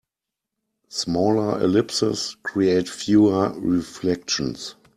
Smaller ellipses create fewer reflections.